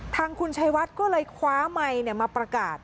ทางคุณชัยวัดก็เลยคว้าไมค์มาประกาศ